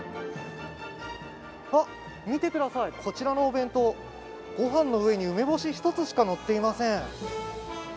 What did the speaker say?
あっ、見てください、こちらのお弁当、御飯の上に梅干し１つしかのっていません。